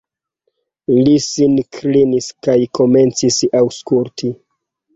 Li sin klinis kaj komencis aŭskulti.